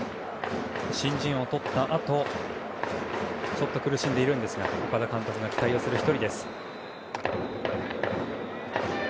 新人王をとったあとちょっと苦しんでいるんですが岡田監督が期待をする１人です。